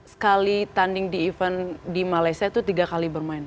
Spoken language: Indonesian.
sekali tanding di event di malaysia itu tiga kali bermain